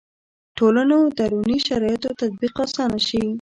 ټولنو دروني شرایطو تطبیق اسانه شي.